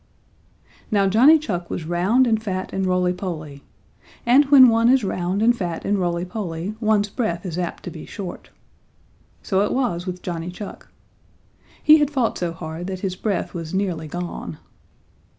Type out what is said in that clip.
Now Johnny Chuck was round and fat and rolly poly, and when one is round and fat and rolly poly, one's breath is apt to be short. So it was with Johnny Chuck. He had fought so hard that his breath was nearly gone.